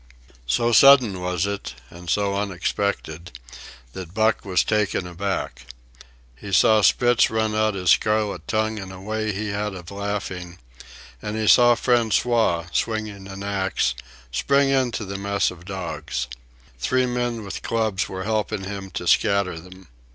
So sudden was it, and so unexpected, that Buck was taken aback. He saw Spitz run out his scarlet tongue in a way he had of laughing; and he saw François, swinging an axe, spring into the mess of dogs. Three men with clubs were helping him to scatter them.